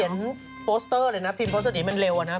บางทีไปเขียนโปสเตอร์เลยนะิมโปสเตอร์เซ็นต์นี้มันเร็วอะน้า